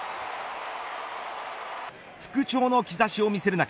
復調の兆しを見せる中